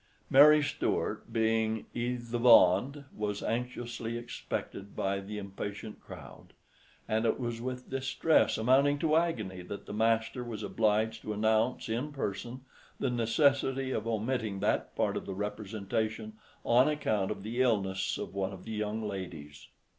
Mary Stuart being "i' the bond," was anxiously expected by the impatient crowd, and it was with distress amounting to agony that the master was obliged to announce, in person, the necessity of omitting that part of the representation, on account of the illness of one of the young ladies.